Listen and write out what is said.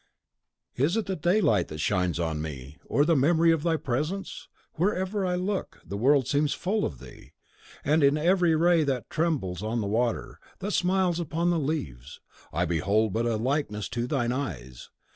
"Is it the daylight that shines on me, or the memory of thy presence? Wherever I look, the world seems full of thee; in every ray that trembles on the water, that smiles upon the leaves, I behold but a likeness to thine eyes.